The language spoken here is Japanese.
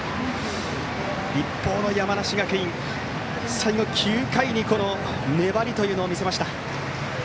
一方の山梨学院最後、９回に粘りを見せました。